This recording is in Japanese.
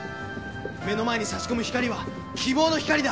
目の前に差し込む光は希望の光だ！